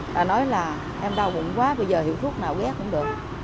là nói là em đau bụng quá bây giờ hiệu thuốc nào ghé cũng được